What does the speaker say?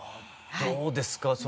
どうですか